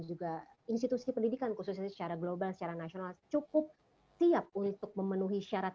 juga institusi pendidikan khususnya secara global secara nasional cukup siap untuk memenuhi syarat